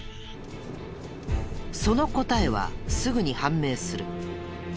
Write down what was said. その答えはすぐに判明する。